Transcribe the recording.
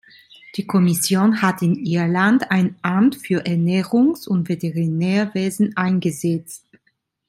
Die Kommission hat in Irland ein Amt für Ernährungs- und Veterinärwesen eingesetzt.